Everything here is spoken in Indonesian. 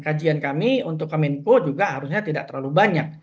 kajian kami untuk kemenko juga harusnya tidak terlalu banyak